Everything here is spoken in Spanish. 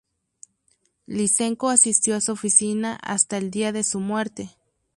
Lysenko asistió a su oficina hasta el día de su muerte.